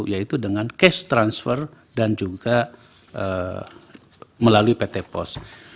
yaitu dengan cash transfer dan juga melalui pt pos